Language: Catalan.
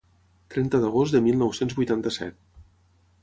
Trenta d’agost de mil nou-cents vuitanta-set.